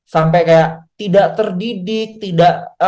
sampe kayak tidak terdidik